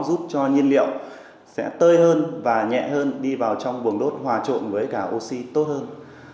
giúp cho nhiên liệu sẽ tơi hơn và nhẹ hơn đi vào trong buồng đốt hòa trộn với cả oxy tốt hơn